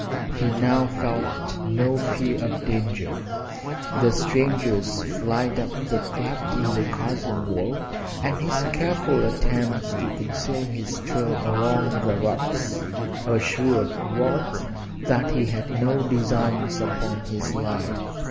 He now felt no fear of danger. The stranger's flight up the cleft in the chasm wall and his careful attempts to conceal his trail among the rocks assured Rod that he had no designs upon his life.